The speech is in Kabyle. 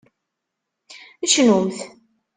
Cnumt!